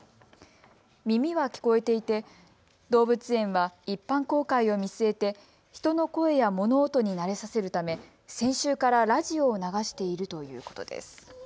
耳は聞こえていて動物園は一般公開を見据えて人の声や物音に慣れさせるため先週からラジオを流しているということです。